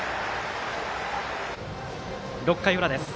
６回裏です。